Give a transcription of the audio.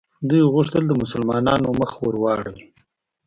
دوی غوښتل د مسلمانانو مخه ور واړوي.